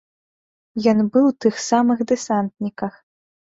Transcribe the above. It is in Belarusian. Ён быў у тых самых дэсантніках.